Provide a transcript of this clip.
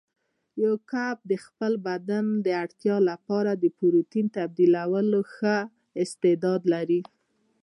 یو کب د خپل بدن اړتیا لپاره د پروتین تبدیلولو ښه استعداد لري.